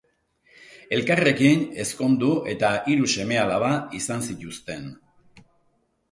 Elkarrekin ezkondu eta hiru seme-alaba izan zituzten.